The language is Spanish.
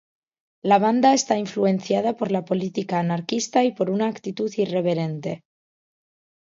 La banda está influenciada por la política anarquista y por una actitud irreverente.